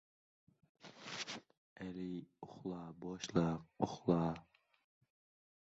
Qarovsiz qolgan samolyotga mast-alast fuqarolar kirib, isinish maqsadida olov yoqishgan.